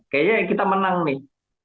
kayaknya kita menang nih